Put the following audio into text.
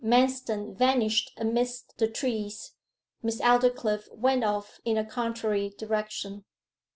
Manston vanished amidst the trees. Miss Aldclyffe went off in a contrary direction.